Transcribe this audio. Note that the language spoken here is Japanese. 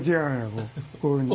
もうこういうふうに。